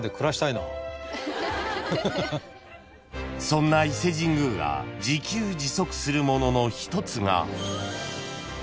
［そんな伊勢神宮が自給自足するものの一つが］